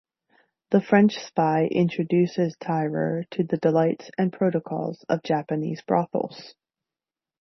The French spy introduces Tyrer to the delights and protocols of Japanese brothels.